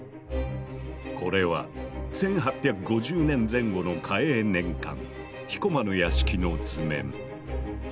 これは１８５０年前後の嘉永年間彦馬の屋敷の図面。